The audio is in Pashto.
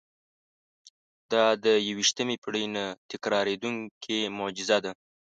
دا د یوویشتمې پېړۍ نه تکرارېدونکې معجزه ده.